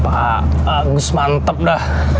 pak agus mantep dah